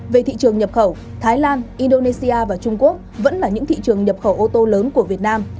về thị trường nhập khẩu thái lan indonesia và trung quốc vẫn là những thị trường nhập khẩu ô tô lớn của việt nam